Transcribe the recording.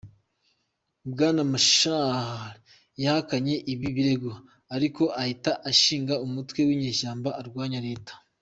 Bwana Machar yahakanye ibi birego, ariko ahita ashinga umutwe w’inyeshyamba urwanya leta.